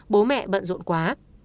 bố mẹ bận rộn quá